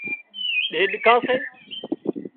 ڏيڏڪان سي